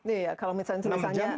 iya kalau misalnya tulisannya